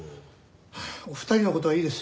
お二人の事はいいです。